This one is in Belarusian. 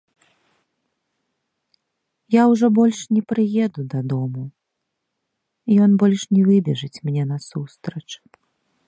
Я ўжо больш не прыеду дадому, ён больш не выбежыць мне насустрач.